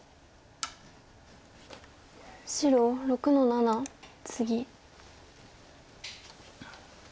白６の七ツギ。